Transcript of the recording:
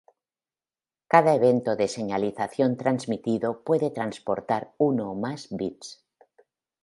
Cada evento de señalización transmitido puede transportar uno o más bits.